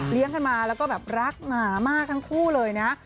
กันมาแล้วก็แบบรักหมามากทั้งคู่เลยนะ